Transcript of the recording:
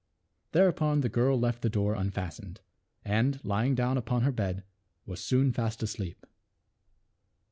Thereupon the girl left the door un fastened, and lying down upon her bed was soon fast asleep.